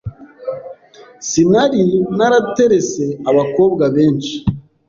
Sinari naraterese abakobwa benshi